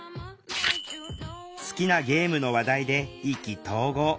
好きなゲームの話題で意気投合。